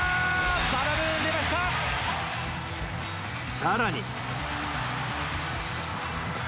さらに。